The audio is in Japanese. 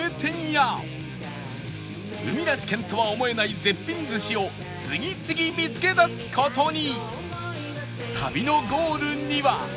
海なし県とは思えない絶品寿司を次々見つけ出す事に！